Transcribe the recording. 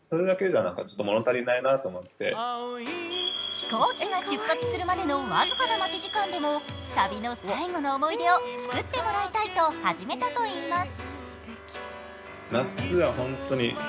飛行機が出発するまでの僅かな待ち時間でも旅の最後の思い出を作ってもらいたいと始めたといいます。